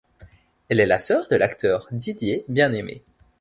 Elle est la sœur de l'acteur Didier Bienaimé.